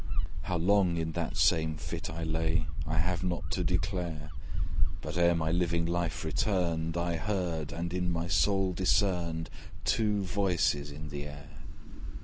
How long in that same fit I lay, I have not to declare; But ere my living life returned, I heard and in my soul discerned Two voices in the air.